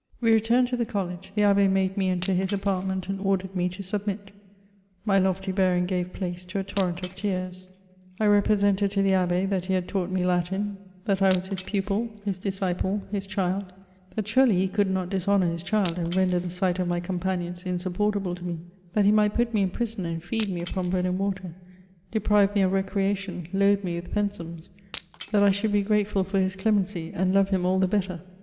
We returned to the college; the Abb^ made mie enter his apartment, and ordered me to submit. My lofty bearing gave {dace to a torrent of tears. I represented to the Abb^ that he hfld taught me Latin ; that I was his pu{»i, his disciple, his ^hild; ^at surely he could not dishonour his child, and render the sight of my companions insupportable to me ; that he might put me in prison and feed me upon bread and water, deprive me of recreation, load me with pen^ums ;" that I should be grat^ul for his demency, and love him all the better.